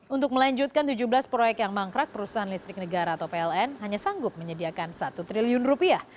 untuk melanjutkan tujuh belas proyek yang mangkrak perusahaan listrik negara atau pln hanya sanggup menyediakan satu triliun rupiah